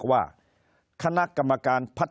คนในวงการสื่อ๓๐องค์กร